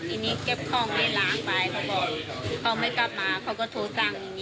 ทีนี้เก็บของให้ล้างไปเขาบอกเขาไม่กลับมาเขาก็โทรสั่งอย่างนี้